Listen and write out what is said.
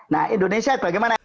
nah indonesia bagaimana